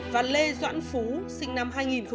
và lê doãn phú sinh năm hai nghìn hai